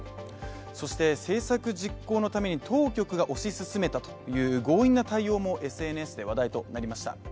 そして、政策実行のために当局が推し進めたという強引な対応もＳＮＳで話題となりました。